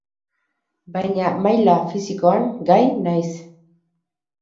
Baina maila fisikoan, gai naiz.